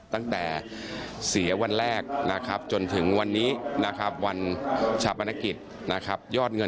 ตั้งแต่เศียวันแรกนะครับ